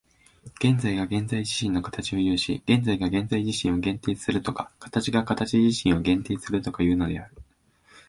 現在が現在自身の形を有し、現在が現在自身を限定するとか、形が形自身を限定するとかいうのである。